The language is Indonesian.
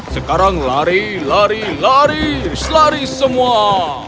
sekarang lari lari lari lari semua